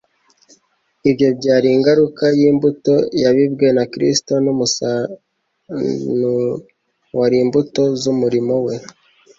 ibyo byari ingaruka y'imbuto yabibwe na Kristo, ni umusanu-o wari imbuto z'umurimo we.